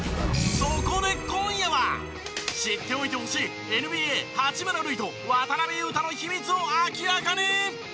知っておいてほしいＮＢＡ八村塁と渡邊雄太の秘密を明らかに！